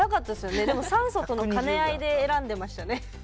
でも酸素との兼ね合いで選んでましたね。